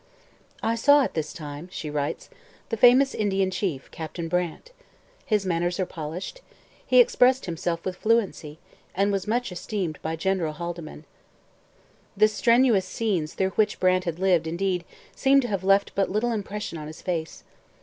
'I saw at this time,' she writes, 'the famous Indian Chief, Captain Brant. His manners are polished: he expressed himself with fluency, and was much esteemed by General Haldimand.' The strenuous scenes through which Brant had lived, indeed, seem to have left but little impression on his face.